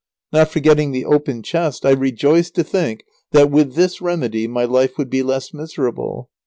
Not forgetting the open chest, I rejoiced to think that, with this remedy, my life would be less miserable.